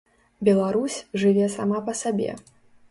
Беларусь жыве сама па сабе.